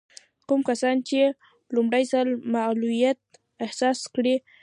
کوم کسان چې لومړی ځل معلوليت احساس کړي.